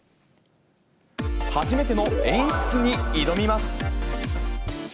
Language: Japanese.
初めての演出に挑みます。